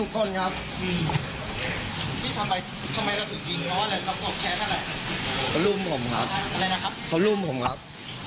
เขารุมผมครับ